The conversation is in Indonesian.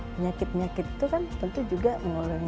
penyakit penyakit itu kan tentu juga mengalami kualitas hidup